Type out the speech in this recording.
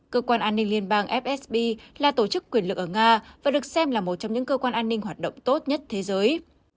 cơ quan an ninh liên bang fsb là tổ chức quyền lực ở nga và được xem là một trong những cơ quan an ninh hoạt động tốt nhất thế giới